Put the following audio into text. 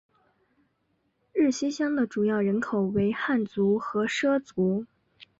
日溪乡的主要人口为汉族和畲族。